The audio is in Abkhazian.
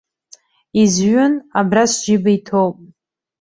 Изҩын, абра сџьыба иҭоуп.